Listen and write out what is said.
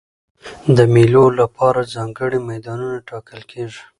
د مېلو له پاره ځانګړي میدانونه ټاکل کېږي.